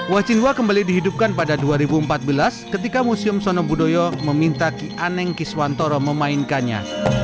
wacinwa kembali dihidupkan pada dua ribu empat belas ketika museum sonobudoyo meminta ki aneng kiswantoro memainkannya